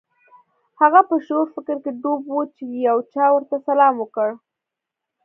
هغه په ژور فکر کې ډوب و چې یو چا ورته سلام وکړ